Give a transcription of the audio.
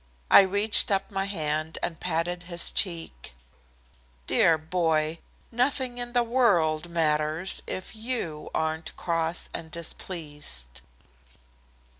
I reached up my hand and patted his cheek. "Dear boy, nothing in the world matters, if you aren't cross and displeased."